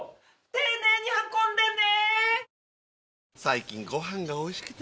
丁寧に運んでね。